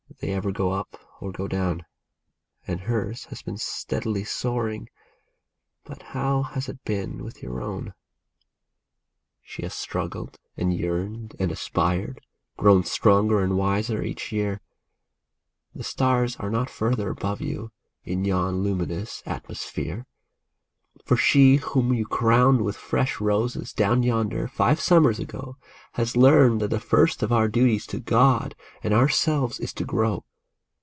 They ever go up or go down ; And hers has been steadily soaring, — but how has it been with your own ? 12 OUTGROWN She has struggled, and yearned, and aspired,— grown stronger and wiser each year ; The stars are not farther above you, in yon luminous at mosphere ! For she whom you crowned with fresh roses, down yonder, five summers ago, Has learned that the first of our duties to God and our selves is to grow.